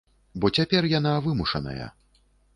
Бо цяпер яна вымушаная.